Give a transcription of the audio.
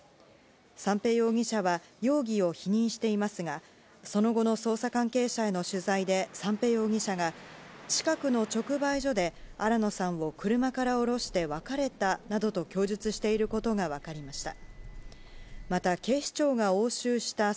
三瓶容疑者は、容疑を否認していますが、その後の捜査関係者への取材で、三瓶容疑者が、近くの直売所で新野さんを車から降ろして別れたなどと供述していることが分かりました。